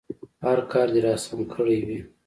هر کار دې راسم کړی وي.